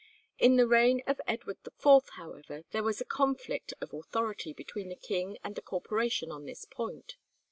In the reign of Edward IV, however, there was a conflict of authority between the king and the Corporation on this point.